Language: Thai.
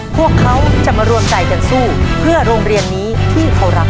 พวกเขาจะมารวมใจกันสู้เพื่อโรงเรียนนี้ที่เขารัก